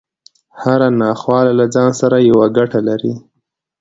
هره ناخواله له ځان سره يوه ګټه لري.